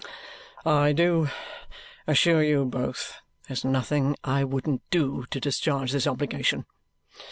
"I do assure you both, there's nothing I wouldn't do to discharge this obligation.